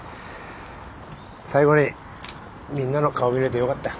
最後にみんなの顔見れてよかった。